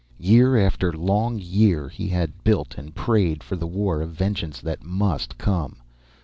Year after long year, he had built and prayed for the war of vengeance that must come.